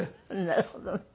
なるほどね。